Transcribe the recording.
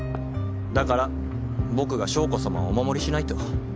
だから僕が将子さまをお守りしないと。